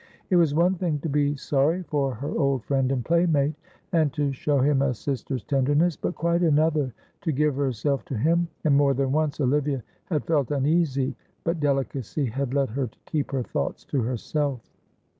It was one thing to be sorry for her old friend and playmate, and to show him a sister's tenderness, but quite another to give herself to him, and more than once Olivia had felt uneasy, but delicacy had led her to keep her thoughts to herself.